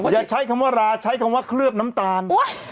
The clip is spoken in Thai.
อย่าใช้คำว่าราใช้คำว่าเคลือบน้ำตาล